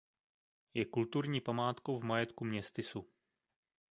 Je kulturní památkou v majetku městysu.